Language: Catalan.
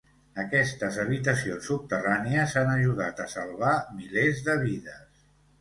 Aquestes habitacions subterrànies han ajudat a salvar milers de vides.